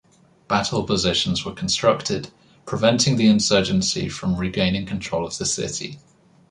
Battle positions were constructed, preventing the insurgency from regaining control of the city.